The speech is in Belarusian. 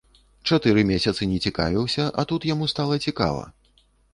Чатыры месяцы не цікавіўся, а тут яму стала цікава.